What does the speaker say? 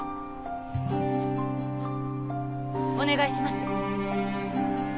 お願いします。